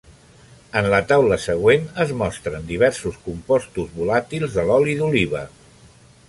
En la taula següent es mostren diversos compostos volàtils de l'oli d'oliva.